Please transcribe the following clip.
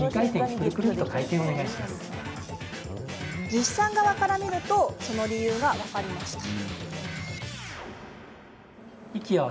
技師さん側から見るとその理由が分かりました。